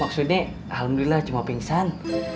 maksudnya alhamdulillah cuma pingsan